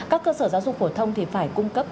các cơ sở giáo dục phổ thông thì phải cung cấp